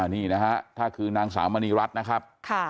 นี่นะฮะถ้าคือนางสาวมณีรัฐนะครับ